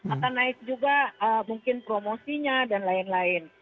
akan naik juga mungkin promosinya dan lain lain